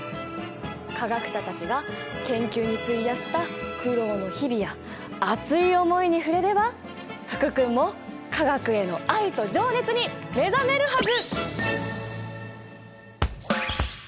化学者たちが研究に費やした苦労の日々や熱い思いに触れれば福君も化学への愛と情熱に目覚めるはず！